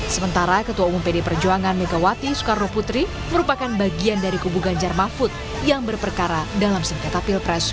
sementara ketua umum pd perjuangan megawati soekarno putri merupakan bagian dari kubu ganjar mafud yang berperkara dalam singketa pilpres dua ribu dua puluh empat